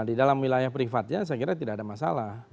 di dalam wilayah privatnya saya kira tidak ada masalah